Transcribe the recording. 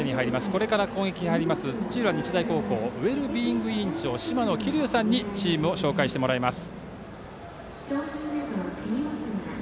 これから攻撃する土浦日大高校ウェルビーイング委員長島野希隆さんにチームを紹介してもらいます。